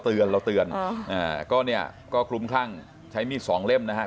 เราเตือนก็คลุมครั่งใช้มีดสองเล่มนะครับ